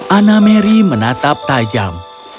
anna mary menatap tajam